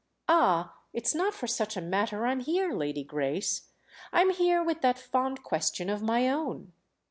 "Ah, it's not for such a matter I'm here, Lady Grace—I'm here with that fond question of my own."